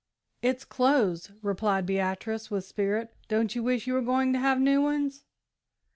"It's clothes," replied Beatrice, with spirit; "don't you wish you were going to have new ones?"